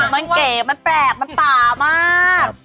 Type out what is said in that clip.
มันเกลียวมันแปลกมันตามาก